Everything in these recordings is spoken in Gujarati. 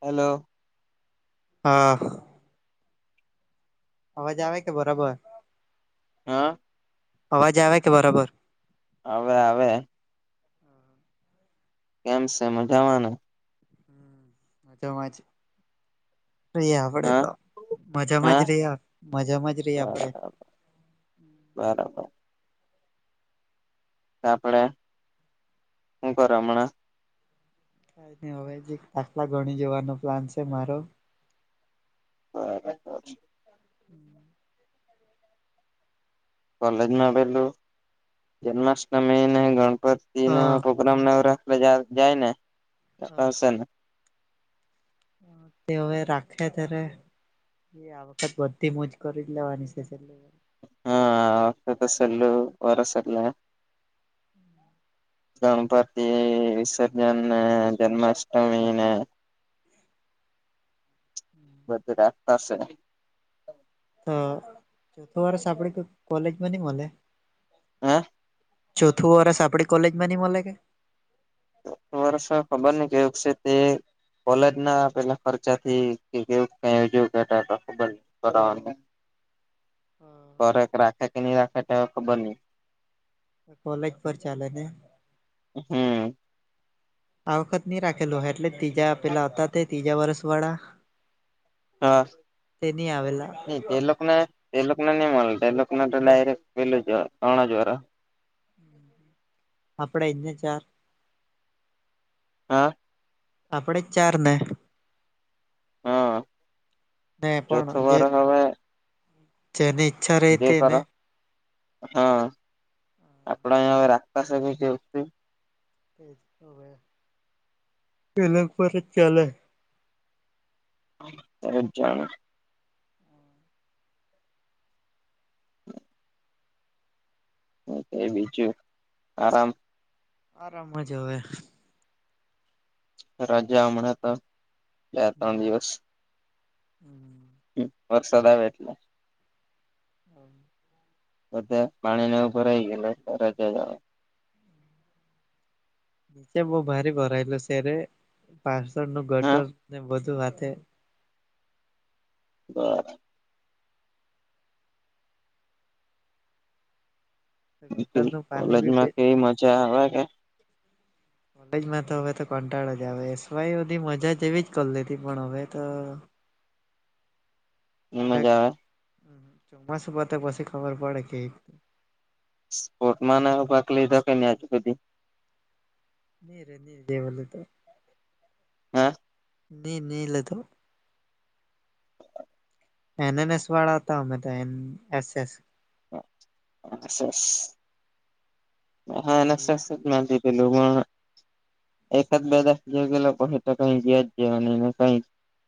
હલો. હા. અવાજ આવે કે બરાબર. હા. અવાજ આવે કે બરાબર. હવે આવે. કેમ છે મજાવાને? હમ. મજામાંજ. રહી આપડે હા તો મજામાં જ હા રહ મજામાં જ રહી આપડે બરાબર બરાબર. આપડે શું કરે અમણા ક ન હવે જે એક દાખલા ગણી જવાનો પ્લાન છે મારો હા. [inaudible] કોલેજમાં પેલું જન્માષ્ટમીને ગણપતિ હા ના ગમનગર જાય ને હા હશે ને તે હવે રાખે તરે એ આ વખત બધી મુજ કરી જ લેવાની છે. હા વખતે સેલુ વરસ એટલે. ગણપતિ વીસ જને જન્માષ્ટમીને [inaudible] બધું રાખતાશે. તો ચોથો વર્ષ આપડ કોઈ કોલેજમાં નઈ મલે? હા? ચોથું વરષ આપડી કોલેજ માં ની મલે કે? વર્ષ ખબર ન કેયુંક છે તે. કોલેજ ના પેલા ખર્ચા થી [unintelligible] [unintelligible] રાખે કે નહી રાખે તે ખબર નઈ? કોલેજ પર ચાલે કે. હમ. આ વખત નહી રાખેલો એટલે ત્રીજા આપેલા હતા તે ત્રીજા વરસ વાળા. હા તે નહી આવેલા હમ. એ લોકને એ લોક ને નહી મળે એને તો ડાયરેક્ટ પેલું જ ત્રણ વરહ. આપણેે એ જ ને ચાર. હા. આપણે જ ચારને. હા ને પણ ચોથું જે વરહ હવે. જેની ઈચ્છા રઈ જે તેને. કરો હા આપણા રાખતા સર કેવું. પેલા ઉપર જ ચાલે. સર જ જાનું. [unintelligible] હ એ બીજું આરામ. આરામ મા જ હવે. રાજા હમણાં હતા. હમ હમ. હ વરસાદ આવે એટલે. [inaudible] બધા પાણી ન ભરાઈ એને તરત જ આવે. નીચે બહુ ભારે ભરાયેલ છે પાસળ નું હા ગટર ને બધું હાથે. [unintelligible] ગટર નું પાણી બી કોલેજમાં કેવી મજા આવે કે. કોલેજમાં તો હવે તો કંટાળો જ આવે એસવાય હુધી મજા એવી જ કર લીધી પણ હવે તો. [unintelligible] ની જરાક મજા આવે ચોમાસું પતે પછી ખબર પડે કે એક. સ્પોર્ટમા ને ભાગ લીધો કે નહી આજુ સુધી. ની રહેે ની દેવલ તો. હા. ની નીલ હતો. એન એન એસ વાળા હતા અમે તો એમ એસ એસ. એસ એસ હા એન એસ ની એસ જ. [unintelligible] એકાદ બે દસ જ ગેલા પછ તો કંઈ જયા જ જવા નહી ને કંઈ.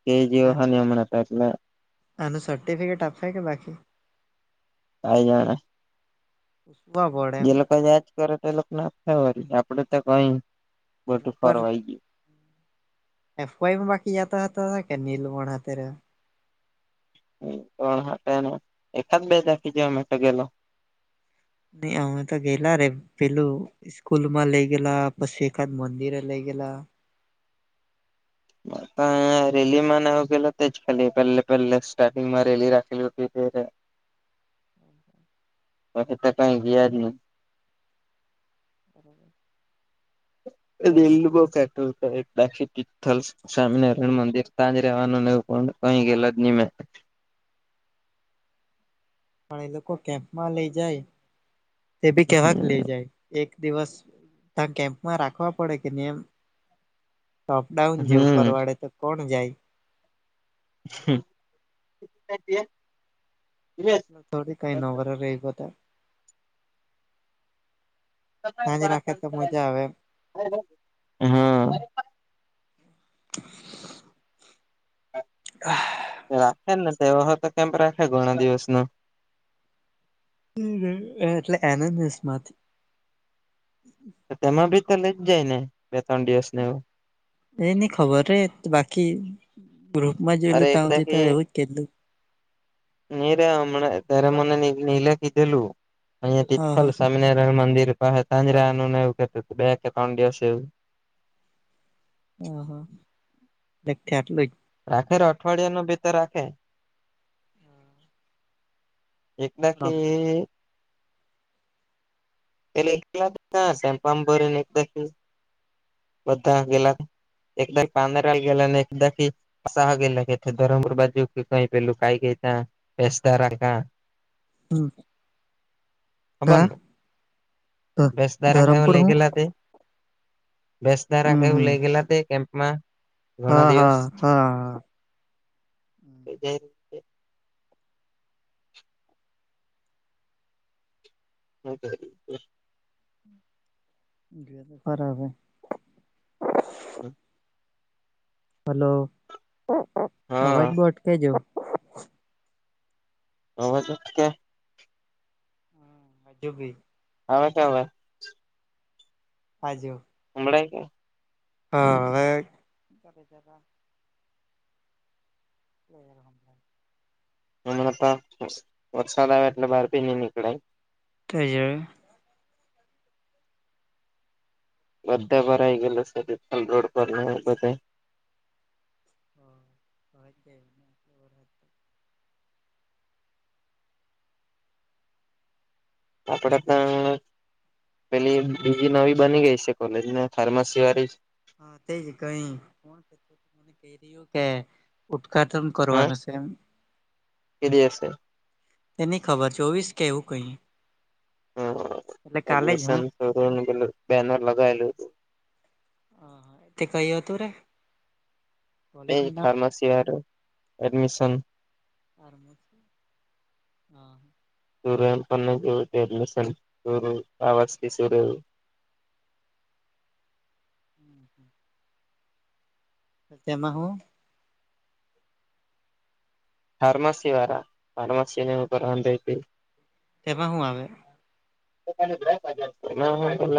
કેજીઓ હા નયમણ આટલે. આનું સર્ટિફિકેટ આપે કે બાકી. કઈ જાણે. [unintelligible] જે લોકો યાદ કરે તો એ લોકોનેે વારી આપડે તો કઈ બધું અમુક ફરવાઈ ગયું. એફઆઈમાં બાકી જતા હતા કે નીલ પણ હતા. પણ હા એકાદ બે ચખી જવા માટે ગેલો. નહી અમે તો ગેલા રે પેલું. સ્કૂલ માં લઇ ગેલા પછી એકાદ મંદિરે લઇ ગેલા. રેલી માં ને ગેલા જ ખાલી પહેલે પહેલે સ્ટાર્ટિંગ માં રેલી રાખેલી હતી ત્યારે. [unintelligible] બાકી તો કઈ ગયા જ નહીં. બરાબર. એ એલુંગો. [unintelligible] સ્વામિનારાયણ મંદિર તાંજ રવાનું ન કઈ ગેલા જ નહી મે. પણ એ લોકો કેમ્પમાં લઈ જાય તે ભી કેવાક લઈ જાય. એક દિવસ ત કેમ્પમાં રાખવા પડે કે નહી એમ. સપડાઉન જેવું હમ કરવાડે તો કોણ જાય [unintelligible] થોડી કઈ નવરર એક ગતા ત્યાં જ રાખે તો મજા આવે [unintelligible] હમ [unintelligible] હા રાખે ને તે તો કેમ રાખે ઘણા દિવસ ન એટલે એનંદ માંથી તેમાં ભી તો લઈ જ જાય ને બે ત્રણ દિવસ ને એવું એ નહ ખબર રે બાકી ગ્રુપમાં અરે જોયેલું એક ત્યાધ તો એવું જ કેલું નહી રે હમણાં ત્યારે મને નીલે કીધેલું અહીયાયા હા તિથલ હા સ્વામિનારાયણ મંદિર પાસે તાંજરાનુંને એવું કે બે કે ત્રણ દિવસે એવું હહા લખટલો રાખે ર અઠવાડિયા નો ભીતર રાખે એકનાખી એટલે સેમ પા ભરીને એક બધા ગેલા એકદા કંદરા ગેલા ને એકદા હ ગેલા કે ધરમપુર બાજુ કે કઈ પેલું કઈ કતા બેસ્ટદારકા હમ હબને કા વસ દ્વાાર કે હ ધરમપુર હું લઈગલા તે બેસ ધારા કે હમ એવું હમ લઇ ગયેલા તે કેમ્પમાં ઘણા હા હા દિવસ હા તો જ હ [inaudible] ગ તો ખરાબે [inaudible] હ હલો હા અવાજ બો અટ કેજો. તો હજ કે. હમ હજુ ભી. હવે ક આવે. પાજો. હમળ કે. હા હવે જરા જરા. લર હભ [inaudible] મમનપ વરસાદ એટલે ભાર પનનેકડ [inaudible] તજ [inaudible] બધા પર આવી ગયલું છેલ રોડ પર બધે હ તો તે ખબરા [inaudible] આપડ ત પેલી બીજી નવી બની ગઈ છે કોલેજને ફાર્મસી વાળી હા તે જ કઈ કોણ ક કે ઉદઘાટન કરવાનું છે એમ. કેરીશે. તેની ખબર ચોવીસ કે એવું કઈ. હ એટલે કાલે જ અડમિશન હું બનર લગાવેલું હતું. હા કય હતું રે. એ કોલેજ નું નામ ફાર્માસી હતું એડમિશન કરમ છે. સૂરન પને જો એડમિશન શૂર આવાર્સથી સૂર્યવ હમ હમ સ તેમાં હું. ફાર્મસી વારા ફાર્મસી નવ કરવંત હતી તેમાં હું આવે આવે. હ પ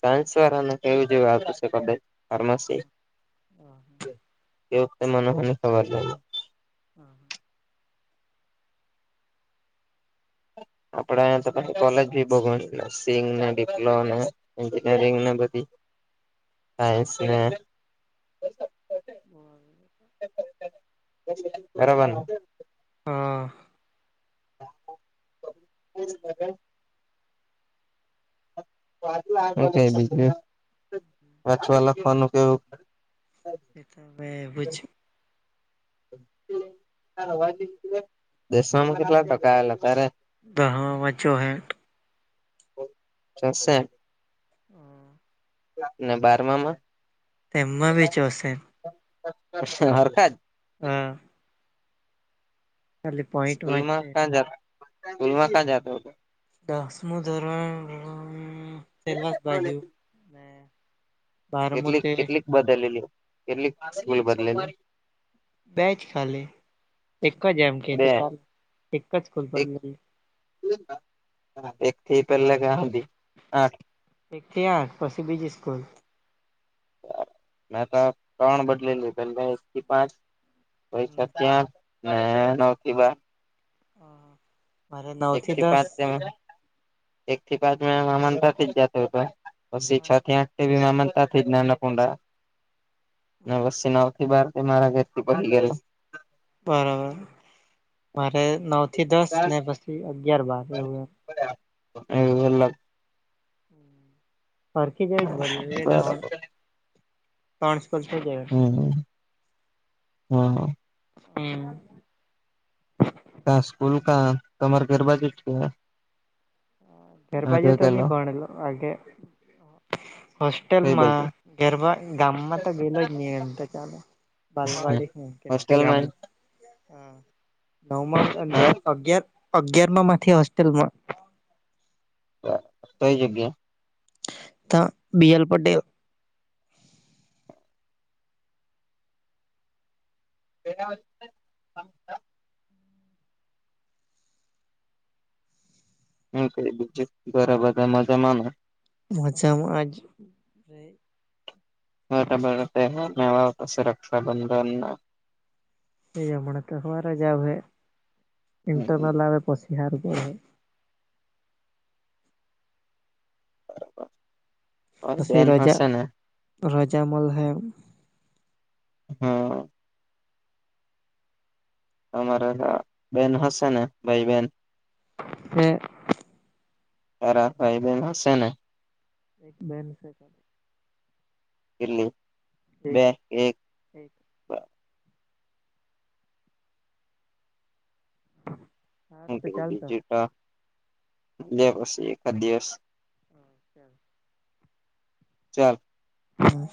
સાન્સ વાળાને કેવું જેવું આપું છે કદ. ફાર્માસી તે વતે મનોહને ખબર લ. હા હા. આપડે અ તો કોલેજ ભી બહ નર્સિંગ ડિપ્લો એન્જિયંગના પતિ હા છે [inaudible] બરાબરને. હા. [inaudible] એ ક બીજું પાછવા લખવાનું કેવું. કેતાવે બછ. દેશમાં કેટલા ટકા આવેલા અત્યારે. દહમાંજોહેેઠ. સરશે. હા ને બારમા માં. તેમમાં બી ચોશે. હરકત. હા. ખાલી સ્કૂલ પોઈન્ટમાં જ માં છે ક્યાં જાતો સ્કૂલમાં ક્યાં જાતો હતો. દસમું ધોરણ પેવાક બાજુ બારમું કેટલી તે કેટલીક બદલેલી કેટલીક સ્કલ બદલેલી બેચ ખાલી એક જ એમ કે તો બે ચાલ એક જ ખૂલ પર એક લઈ એક થ પહેલે કા આઠ એકથી આઠ પછી બીજી સ્કૂલ મેં તો ત્રણ બદલેલી પે એક થી પાંચ પ છ્યા હ નોકીવા મારે નવ થી એકથી દસ પાચમાં એક થી પાંચ મિ મામાન જ જતો હતો પછી છ થી આઠ મતા થી જ નાનકુંડા અને વ નવ થી બાર મારા ઘર થી પછ ગે બરાબર મારે નવ થી દસ ને પછી અગયાર બાર એવું એમ એ ફખી જાય ભલે ત્રણ બરાબર પા્રણસપલ શ જ હા હા હમમ કા સ્કૂલ કા તમારે ગરબાજેટ છે ફેર બાજુ તો ન કેલો ભણલો આગે કઈ બાજુ હોસ્ટેલમાં ગરબા ગામમાં તો ગેલો જ નહી એમ તો ચાાલ બલવાડીી ખ કેટથી હોસ્ટેલમાં ગામમાં નવ હા અગાર અગિયાર માંથી હોસ્ટેલમાં તો એ જગ્યા ત બીએલ પટે બેરા હું ક બીજું ઘરે બધા મજા માનો માજમાં આજ બટ બળ તો સુ રક્ષાબંધન એ જમણે તો હરે જાવ હે હમ ઇન્ટરલ આવે પછી હાર પે પી બેન રાજજા હશે ને રજા મલ હૈ હા અમારા બેન હશે ને ભાઈ બેન છે અરા ભાઈ બેન હશે ને એક બેન છે ચ કેલી બે એક ઠીક હ બજટ પછી એકા દિવસ હા સાલ ચાલ હા